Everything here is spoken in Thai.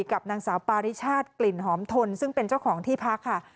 กับนางสาวปาริชาติกลิ่นหอมทนซึ่งเป็นเจ้าของที่พักค่ะ